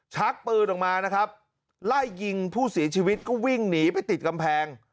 ชักปืนออกมานะครับไล่ยิงผู้เสียชีวิตก็วิ่งหนีไปติดกำแพง